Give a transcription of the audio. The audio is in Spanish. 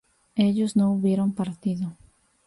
ellos no hubieron partido